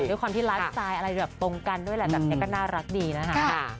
ด้วยความที่ไลฟ์สไตล์อะไรแบบตรงกันด้วยแหละแบบนี้ก็น่ารักดีนะคะ